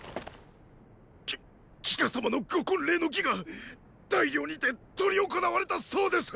きっ季歌様のご婚礼の儀が大梁にて執り行われたそうです！！